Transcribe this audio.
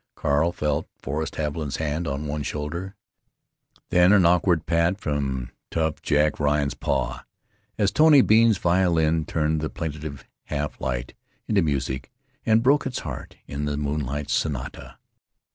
Carl felt Forrest Haviland's hand on one shoulder, then an awkward pat from tough Jack Ryan's paw, as Tony Bean's violin turned the plaintive half light into music, and broke its heart in the "Moonlight Sonata."